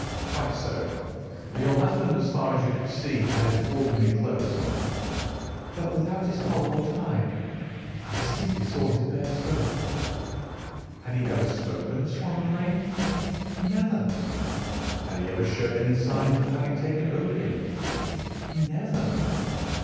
"Quite so. Your husband, as far as you could see, had his ordinary clothes on?" "But without his collar or tie. I distinctly saw his bare throat." "Had he ever spoken of Swandam Lane?" "Never." "Had he ever showed any signs of having taken opium?" "Never."